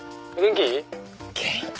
「元気？」